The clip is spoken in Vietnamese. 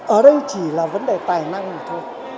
ở đây chỉ là vấn đề tài năng thôi